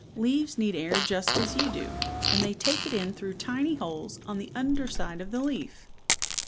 Leaves need air just as you do, and they take it in through tiny holes on the under side of the leaf."